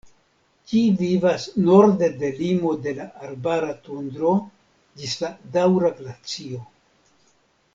Ĝi vivas norde de limo de la arbara tundro ĝis la daŭra glacio.